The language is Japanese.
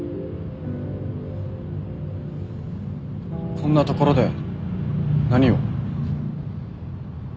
・こんな所で何を？